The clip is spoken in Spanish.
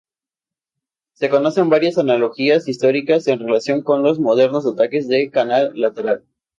Se conocen varias analogías históricas en relación con los modernos ataques de canal lateral.